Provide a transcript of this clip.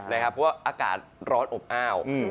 เพราะว่าอากาศร้อนอบอ้าว